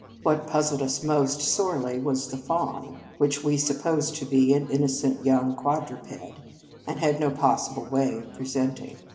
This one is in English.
What puzzled us most sorely was the Faun, which we supposed to be an innocent young quadruped, and had no possible way of presenting.